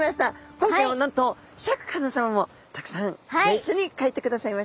今回はなんとシャーク香音さまもたくさんご一緒に描いてくださいましたよ。